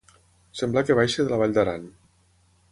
Semblar que baixi de la Vall d'Aran.